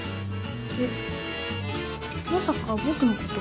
えっまさかぼくのこと。